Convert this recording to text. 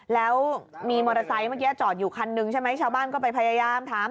แล้วมีมอเตอร์ไซค์เมื่อกี้จอดอยู่คันหนึ่งใช่ไหมชาวบ้านก็ไปพยายามถาม